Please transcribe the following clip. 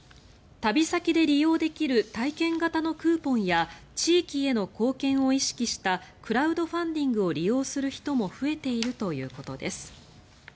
旅先で利用できる体験型のクーポンや地域への貢献を意識したクラウドファンディングを利用する人も増えているということです。